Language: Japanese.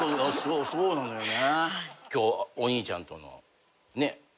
今日お兄ちゃんとのねっ？